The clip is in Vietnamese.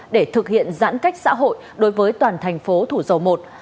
để thực hiện giãn cách xã hội đối với toàn thành phố thủ dầu một